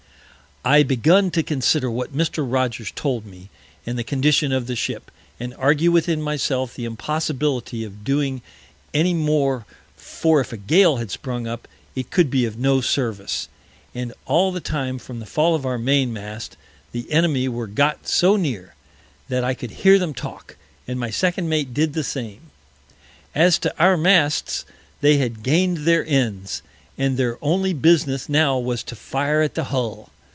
I begun to consider what Mr. Rogers told me, and the Condition of the Ship, and argue within myself the Impossibility of doing any more (for if a Gale had sprung up, it could be of no Service) and all the time from the Fall of our Main mast, the Enemy were got so near, that I could hear them talk, and my Second Mate did the same. As to our Masts, they had gain'd their Ends, and their only Business now was to fire at the Hull.